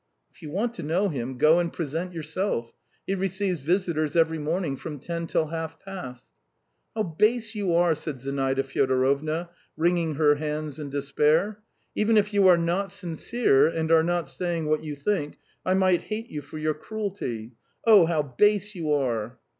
"If you want to know him, go and present yourself. He receives visitors every morning from ten till half past." "How base you are!" said Zinaida Fyodorovna, wringing her hands in despair. "Even if you are not sincere, and are not saying what you think, I might hate you for your cruelty. Oh, how base you are!"